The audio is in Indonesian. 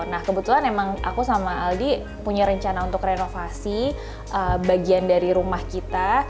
nah kebetulan emang aku sama aldi punya rencana untuk renovasi bagian dari rumah kita